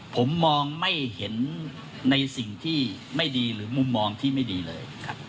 ผมมองไม่เห็นในสิ่งที่ไม่ดีหรือมุมมองที่ไม่ดีเลยครับ